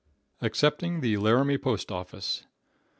Accepting the Laramie Postoffice.